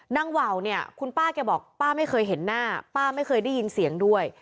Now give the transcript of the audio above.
ว่าวเนี่ยคุณป้าแกบอกป้าไม่เคยเห็นหน้าป้าไม่เคยได้ยินเสียงด้วย